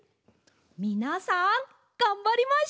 みなさんがんばりましょう！